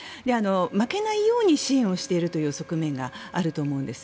負けないように支援をしているという側面があると思うんです。